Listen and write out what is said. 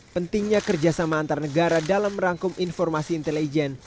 pentingnya kerjasama antar negara dalam merangkum informasi intelijen